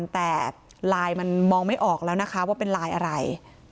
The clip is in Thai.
แต่ไลน์มันมองไม่ออกแล้วนะคะว่าเป็นไลน์อะไร